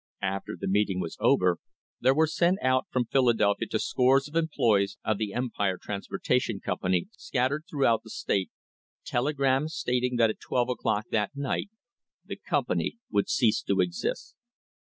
After the meeting was over, there were sent out from Philadelphia to scores of employees of the Empire Trans portation Company scattered throughout the state, tele grams stating that at twelve o'clock that night the company would cease to exist.